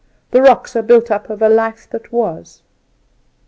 The rocks are built up of a life that was.